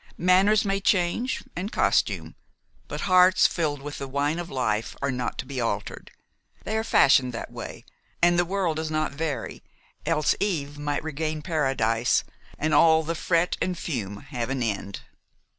Manners may change, and costume; but hearts filled with the wine of life are not to be altered. They are fashioned that way, and the world does not vary, else Eve might regain Paradise, and all the fret and fume have an end.